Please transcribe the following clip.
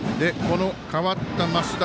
代わった増田